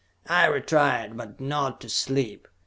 I retired, but not to sleep.